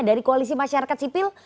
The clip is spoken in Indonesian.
dari koalisi masyarakat sipil